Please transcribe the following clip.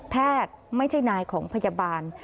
แพทย์ไม่ใช่นายของพยาบาล